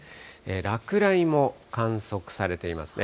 落雷も観測されていますね。